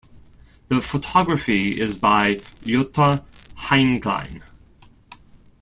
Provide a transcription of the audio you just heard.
The photography is by Jutta Heinglein.